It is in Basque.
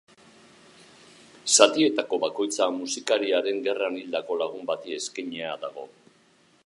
Zatietako bakoitza musikariaren gerran hildako lagun bati eskainia dago.